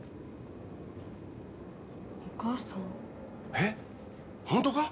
えっ、ホントか？